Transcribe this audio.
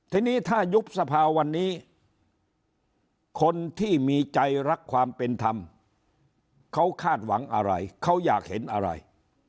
ทีนี้ถ้ายุบสภาวันนี้คนที่มีใจรักความเป็นธรรมเขาคาดหวังอะไรเขาอยากเห็นอะไร